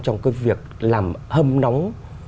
trong việc làm hâm nóng